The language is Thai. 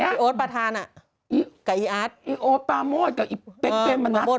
ไอ้โอ๊ตประธานน่ะกับไอ้อัสไอ้โอ๊ตประมวลกับไอ้เป๊กเป็นบรรณัฐ